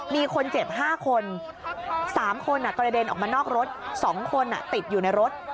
มีคนเจ็บ๕คน๓คนกระเด็นออกมานอกรถ๒คนติดอยู่ในรถ